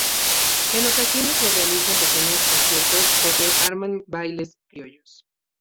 En ocasiones se realizan pequeños conciertos o se arman bailes criollos.